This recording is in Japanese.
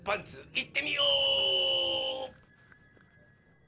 いってみよ！